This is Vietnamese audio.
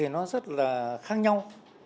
nó rất là khác nhau